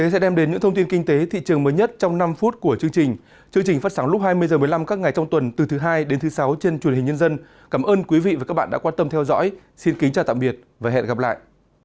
xin kính chào tạm biệt và hẹn gặp lại